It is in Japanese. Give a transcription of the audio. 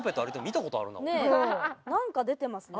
なんか出てますね。